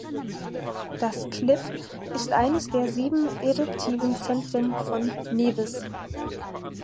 Das Kliff ist eines der sieben eruptiven Zentren von Nevis.